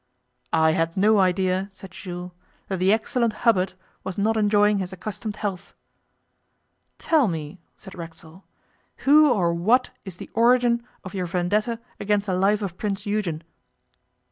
'I had no idea,' said Jules, 'that the excellent Hubbard was not enjoying his accustomed health.' 'Tell me,' said Racksole, 'who or what is the origin of your vendetta against the life of Prince Eugen?